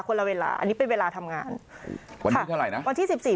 ละเวลาอันนี้เป็นเวลาทำงานวันนี้เท่าไหร่นะวันที่สิบสี่